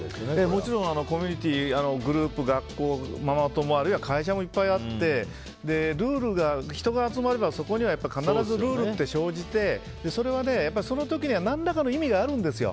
もちろん、コミュニティーグループ、学校ママ友、あるいは会社もいっぱいあって人が集まればそこには必ずルールって生じてそれは、その時には何らかの意味があるんですよ。